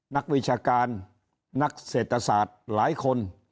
นักวิชาการนักเศรษฐศาสตร์หลายคน